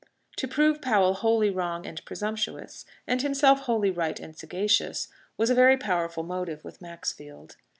To prove Powell wholly wrong and presumptuous, and himself wholly right and sagacious, was a very powerful motive with Maxfield.